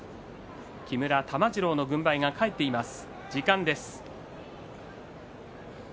木村玉治郎の軍配が返っています。